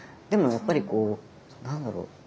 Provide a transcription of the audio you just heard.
でもやっぱりこう何だろう